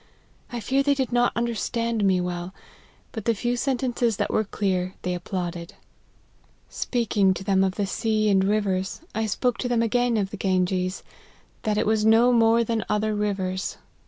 I fear they did not understand me well ; but the few sentences that were clear, they applauded. Speaking to them LIFE OF HENRY MARTYN. 127 of the sea and rivers, I spoke to them again of the Ganges, that it was no more than other rivers.